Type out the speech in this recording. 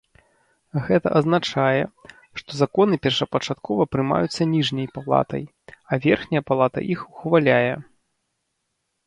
Гэта азначае, што законы першапачаткова прымаюцца ніжняй палатай, а верхняя палата іх ухваляе.